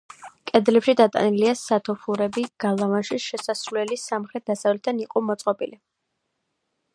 კედლებში დატანილია სათოფურები გალავანში შესასვლელი სამხრეთ-დასავლეთიდან იყო მოწყობილი.